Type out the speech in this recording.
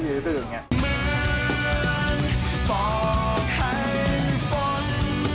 เหมือนบอกให้ฝน